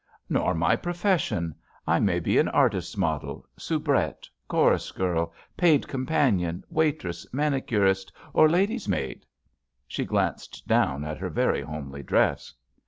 *Nor my profession. I may be an artist's model, soubrette, chorus lady, paid com panion, waitress, manicurist, or lady's maid." She glanced down at her very homely dress.